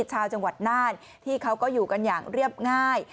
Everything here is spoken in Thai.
ชาวจังหวัดน่านที่เขาก็อยู่กันอย่างเรียบง่าย